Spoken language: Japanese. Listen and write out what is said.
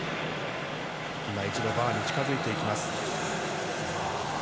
一度、バーに近づいていきます。